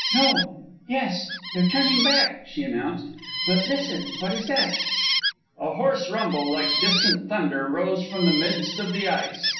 No ... Yes! They're turning back," she announced. "But listen! What is that?" A hoarse rumble, like distant thunder, rose from the midst of the ice.